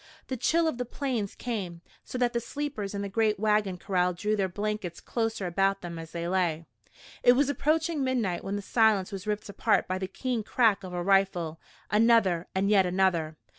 The chill of the Plains came, so that the sleepers in the great wagon corral drew their blankets closer about them as they lay. It was approaching midnight when the silence was ripped apart by the keen crack of a rifle another and yet another.